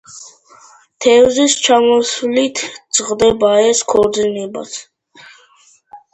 თეზევსის ჩამოსვლით წყდება ეს ქორწინებაც.